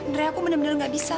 drea aku bener bener nggak bisa